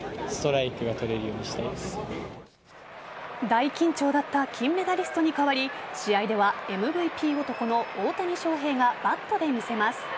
大緊張だった金メダリストに代わり試合ではＭＶＰ男の大谷翔平がバットで見せます。